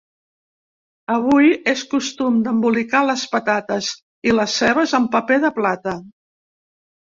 Avui, és costum d'embolicar les patates i les cebes amb paper de plata.